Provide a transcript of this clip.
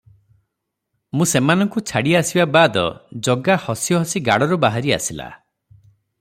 ମୁଁ ସେମାନଙ୍କୁ ଛାଡ଼ିଆସିବା ବାଦ୍ ଜଗା ହସି ହସି ଗାଡ଼ରୁ ବାହାରି ଆସିଲା!